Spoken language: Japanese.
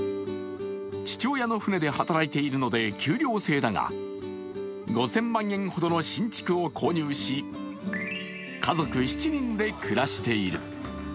父親の船で働いているので給料制だが、５０００万円ほどの新築を購入し家族７人で暮らしている。